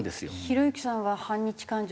ひろゆきさんは反日感情